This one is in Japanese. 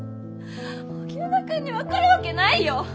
荻生田くんに分かるわけないよ。